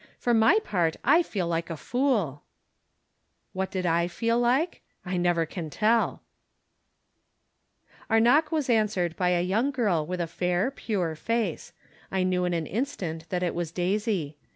For my part, I feel like a fool." From Different Standpoints. 63 Wtat did I feel like ? I never can tell. Our knock was answered by a young girl with a fair, pure face. I knew in an instant that it was Daisy.